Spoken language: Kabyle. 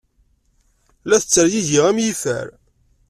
La tettergigi am yifer.